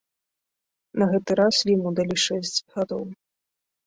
На гэты раз яму далі шэсць гадоў.